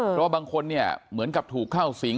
เพราะบางคนเนี่ยเหมือนกับถูกเข้าสิง